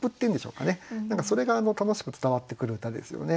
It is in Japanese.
それが楽しく伝わってくる歌ですよね。